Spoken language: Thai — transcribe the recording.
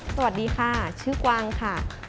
สวัสดีค่ะชื่อกวางค่ะ